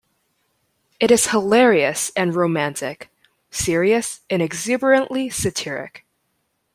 It is hilarious and romantic, serious and exuberantly satiric.